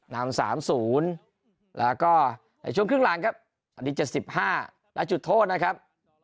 น้ำ๓๐แล้วก็ช่วยคืนหลังครับอันนี้จะ๑๕แล้วจุดโทษนะครับ